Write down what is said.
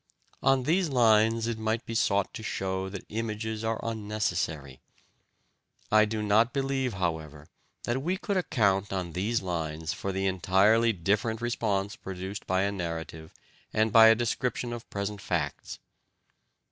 On these lines it might be sought to show that images are unnecessary. I do not believe, however, that we could account on these lines for the entirely different response produced by a narrative and by a description of present facts.